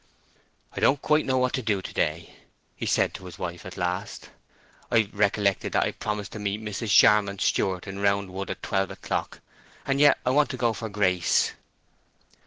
"I don't quite know what to do to day," he said to his wife at last. "I've recollected that I promised to meet Mrs. Charmond's steward in Round Wood at twelve o'clock, and yet I want to go for Grace."